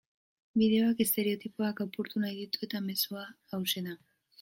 Bideoak estereotipoak apurtu nahi ditu eta mezua hauxe da.